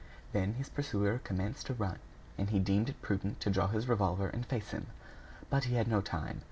Then his pursuer commenced to run; and he deemed it prudent to draw his revolver and face him. But he had no time.